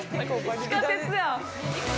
◆地下鉄や。